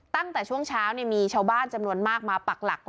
ตั้งแต่ช่วงเช้ามีชาวบ้านจำนวนมากมาปักหลัก